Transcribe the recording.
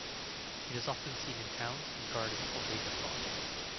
It is often seen in towns, in gardens or vacant lots.